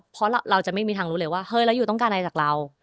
เพราะเราจะไม่มีทางรู้เลยว่าเฮ้ยเราอยู่ต้องการอะไรจากเรา